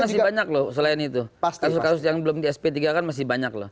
masih banyak loh selain itu kasus kasus yang belum di sp tiga kan masih banyak loh